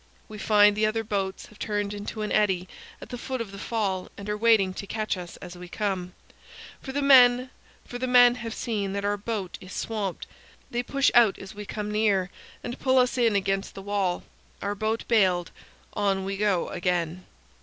We find the other boats have turned into an eddy at the foot of the fall and are waiting to catch us as we come, for the men have seen that our boat is swamped. They push out as we come near and pull us in against the wall. Our boat bailed, on we go again.